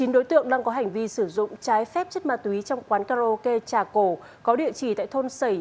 một mươi chín đối tượng đang có hành vi sử dụng trái phép chất ma túy trong quán karaoke trà cổ có địa chỉ tại thôn sẩy